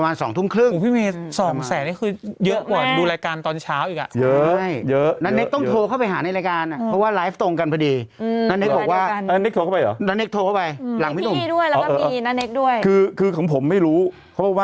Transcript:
น้านเน็กโทรเข้าไปหลังมิดุมครับ